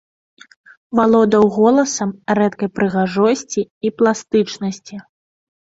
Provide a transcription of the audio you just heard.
Валодаў голасам рэдкай прыгажосці і пластычнасці.